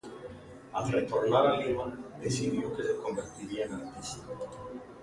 Al retornar a Lima decidió que se convertiría en artista.